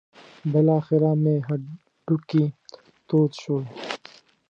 بالاخره مې هډوکي تود شول.